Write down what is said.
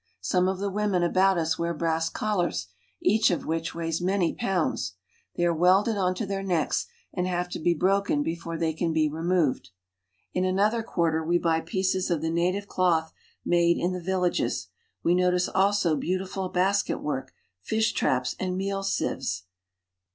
Some of the women about us wear brass collars, each of which weighs many pounds ; they are welded on to their necks, and have to be broken before they can be removed. In another quarter we buy pieces of the native cloth made in the villages ; we notice also beautiful basketwork, fish traps, and meal sieves.